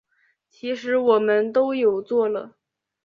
其实我们都有做了